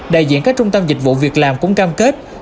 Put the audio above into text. đại diện các trung tâm dịch vụ việc làm cũng cam kết